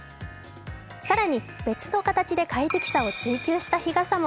更に別の形で快適さを追求した日傘も。